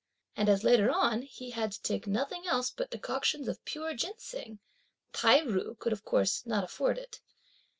And as later on, he had to take nothing else but decoctions of pure ginseng, Tai ju could not of course afford it.